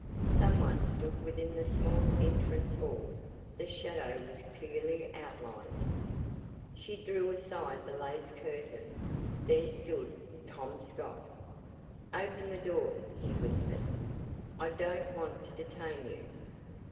Some one stood within the small entrance hall the shadow was clearly outlined. She drew aside the lace curtain. There stood Tom Scott! "Open the door," he whispered "I don't want to detain you."